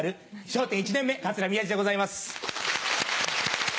『笑点』１年目桂宮治でございます。